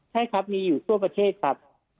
ใช่ครับมีอยู่ทั่วประเทศครับ